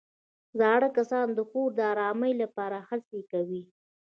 زاړه کسان د کور د ارامۍ لپاره هڅې کوي